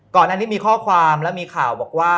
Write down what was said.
ก่อนอันนี้มีข้อความแล้วมีข่าวบอกว่า